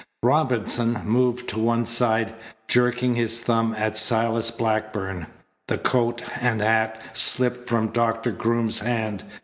Robinson moved to one side, jerking his thumb at Silas Blackburn. The coat and hat slipped from Doctor Groom's hand.